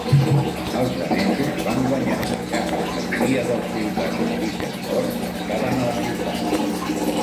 Els danesos van guanyar ja que la majoria dels soldats de Wittenborg estaven a la ciutat.